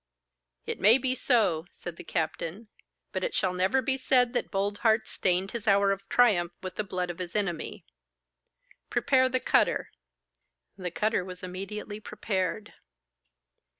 'It may be so,' said the captain; 'but it shall never be said that Boldheart stained his hour of triumph with the blood of his enemy. Prepare the cutter.' The cutter was immediately prepared.